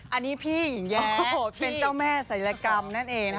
อันนี้พี่หญิงแย้เป็นเจ้าแม่ศัลยกรรมนั่นเอง